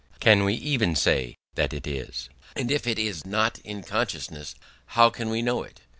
Can we even say that it is? And if it is not in consciousness, how can we know it?...